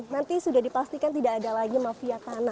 nanti sudah dipastikan tidak ada lagi mafia tanah